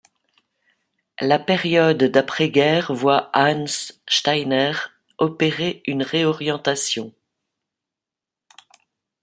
La période d'après-guerre voit Hans Steiner opérer une réorientation.